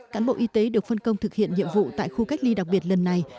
cán bộ y tế được phân công thực hiện nhiệm vụ tại khu cách ly đặc biệt lần này